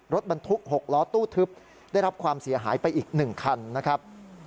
รถบรรทุก๖ล้อตู้ทึบได้รับความเสียหายไปอีก๑คันนะครับ